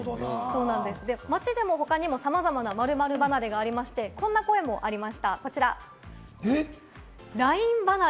街でも他にも様々な〇〇離れがありまして、こんな声もありました。